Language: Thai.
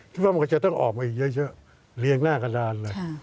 มันก็จะต้องออกมาอีกเยอะเรียงหน้ากระดานเลย